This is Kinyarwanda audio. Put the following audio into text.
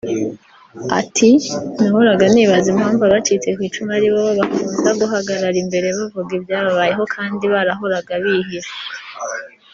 Ati “Nahoraga nibaza impamvu abacitse ku icumu ari bo bakunda guhagarara imbere bavuga ibyababayeho kandi barahoraga bihishe